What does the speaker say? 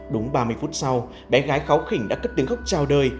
đúng ba mươi phút sau bé gái kháu khỉnh đã cất tiếng khóc trao đời